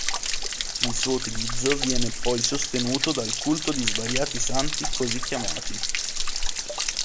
Il suo utilizzo viene poi sostenuto dal culto di svariati santi così chiamati.